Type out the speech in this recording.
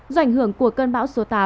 do ảnh hưởng của cơn bão số tám